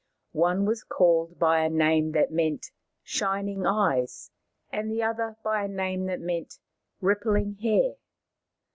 One was called by a name that meant Shining Eyes, and the other by a name that meant Rippling Hair.